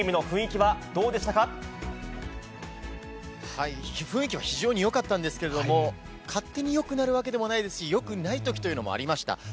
雰囲気は非常によかったんですけれども、勝手によくなるわけでもないですし、よくないときというのもありました。